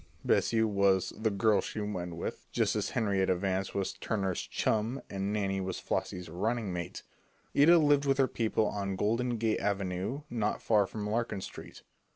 Bessie was "the girl she went with," just as Henrietta Vance was Turner's "chum" and Nannie was Flossie's "running mate." Ida lived with her people on Golden Gate Avenue not far from Larkin Street.